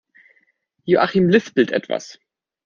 Joachim lispelt etwas.